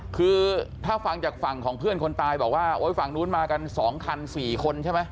คือถ้าฟังจากฝั่งของเพื่อนคนตายบอกว่าโอ้ยฝั่งนู้นมากัน๒คัน๔คนใช่ไหม